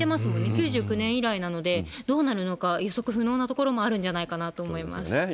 ９９年以来なので、どうなるのか、予測不能なところもあるんじゃなそうですね。